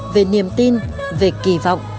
về niềm tin về kỳ vọng